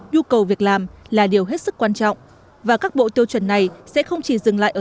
nhu cầu việc làm là điều hết sức quan trọng và các bộ tiêu chuẩn này sẽ không chỉ dừng lại ở